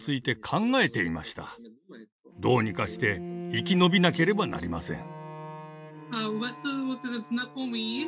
どうにかして生き延びなければなりません。